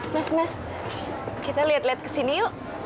mas mas kita liat liat kesini yuk